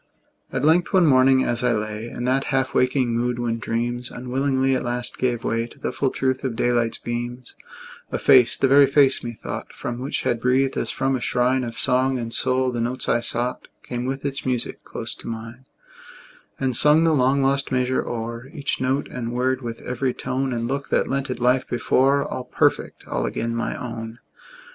At length, one morning, as I lay In that half waking mood when dreams Unwillingly at last gave way To the full truth of daylight's beams, A face the very face, methought, From which had breathed, as from a shrine Of song and soul, the notes I sought Came with its music close to mine; And sung the long lost measure o'er, Each note and word, with every tone And look, that lent it life before, All perfect, all again my own!